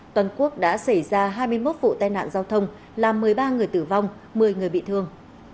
toàn quốc đã xảy ra hai mươi một vụ tai nạn giao thông làm một mươi ba người tử vong một mươi người bị thương